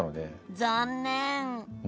残念。